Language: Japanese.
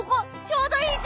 ちょうどいい。